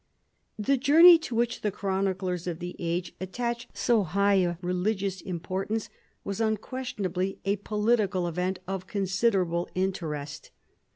The journey, to which the chroniclers of the age attach so high a religious importance, was unquestion ably a political event of considerable interest.